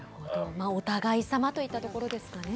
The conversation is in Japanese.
お互いさまといったところですかね。